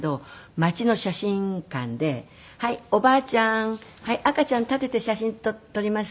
町の写真館で「はい。おばあちゃーん赤ちゃん立てて写真撮りますよ」